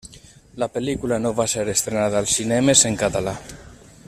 La pel·lícula no va ser estrenada als cinemes en català.